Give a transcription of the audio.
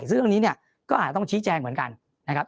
ซึ่งเรื่องนี้เนี่ยก็อาจจะต้องชี้แจงเหมือนกันนะครับ